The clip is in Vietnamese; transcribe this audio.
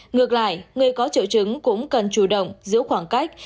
ngược lại người có triệu chứng cũng cần chủ động giữ khoảng cách